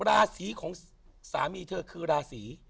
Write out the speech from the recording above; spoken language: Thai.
ราศีของสามีเธอคือราศี